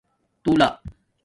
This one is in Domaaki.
تݸلہ